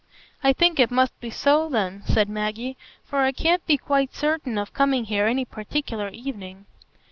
"I think it must be so, then," said Maggie, "for I can't be quite certain of coming here any particular evening."